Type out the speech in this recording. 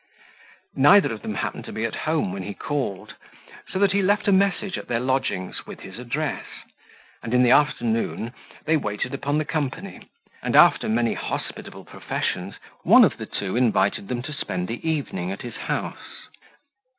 Neither of them happened to be at home when he called; so that he left a message at their lodgings, with his address; and in the afternoon, they waited upon the company, and, after many hospitable professions, one of the two invited them to spend the evening at his house.